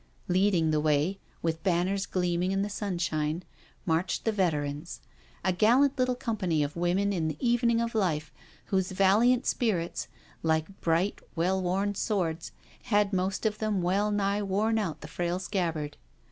Leading the way, with banners gleaming in the sun shine, marched the veterans. A gallant little company of women in the evening of life, whose valiant spirits, like bright, well worn swords, had most of them well nigh worn out the frail scabbard.